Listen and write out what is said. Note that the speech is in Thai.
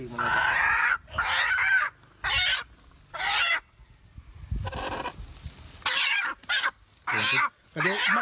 มาโมโห